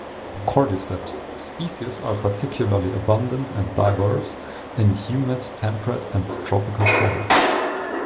"Cordyceps" species are particularly abundant and diverse in humid temperate and tropical forests.